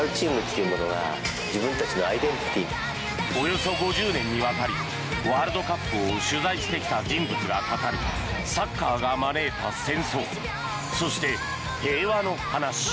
およそ５０年にわたりワールドカップを取材してきた人物が語るサッカーが招いた戦争そして、平和の話。